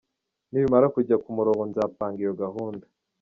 Nibimara kujya ku murongo nzapanga iyo gahunda.